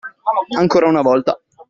Ancora una volta.